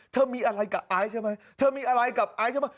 มีอะไรกับไอซ์ใช่ไหมเธอมีอะไรกับไอซ์ใช่ไหม